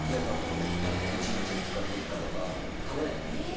１日２日３日とかはもう食べないって決めて。